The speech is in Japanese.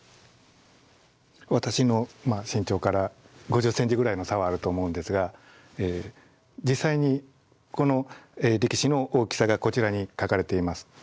私の身長から５０センチぐらいの差はあると思うんですが実際にこの力士の大きさがこちらに書かれています。